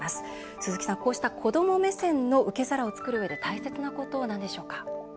鈴木さん、こうした子ども目線の受け皿を作るうえで大切なことは何でしょうか？